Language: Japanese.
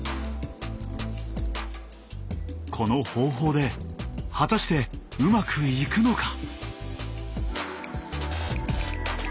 この方法で果たしてうまくいくのか！？